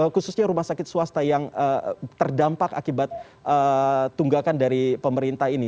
khususnya rumah sakit swasta yang terdampak akibat tunggakan dari pemerintah ini